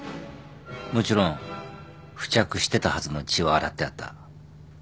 もちろん付着してたはずの血は洗ってあった。